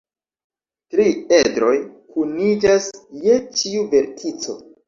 Tri edroj kuniĝas je ĉiu vertico.